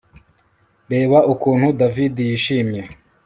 Reba ukuntu David yishimye